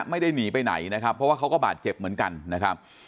ไม่ได้หนีไปไหนนะครับเพราะว่าเขาก็บาดเจ็บเหมือนกันนะครับ